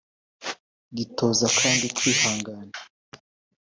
gitoza kandi kwihangana